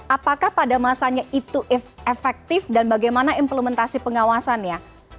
apakah pada masanya itu efektif dan bagaimana implementasi pengawasannya